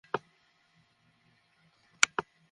আমার পা একটু মালিশ করে দিতে পারবি?